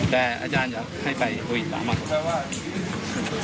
แต่อาจารย์จะให้ไปโออิตามากกว่า